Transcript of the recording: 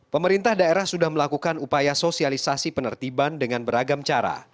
pemerintah daerah sudah melakukan upaya sosialisasi penertiban dengan beragam cara